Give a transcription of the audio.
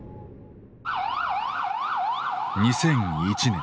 ２００１年。